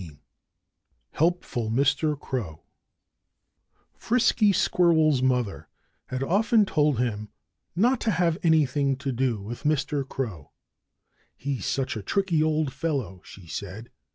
XV Helpful Mr. Crow Frisky Squirrel's mother had often told him not to have anything to do with Mr. Crow. "He's such a tricky old fellow!" she said.